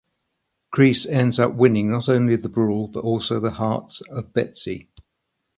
Kreese ends up winning not only the brawl but also the heart of Betsy.